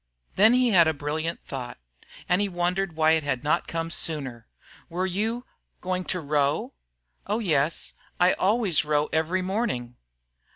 Then he had a brilliant thought, and he wondered why it had not come sooner. "Were you going to row?" "Oh, yes. I always row every morning."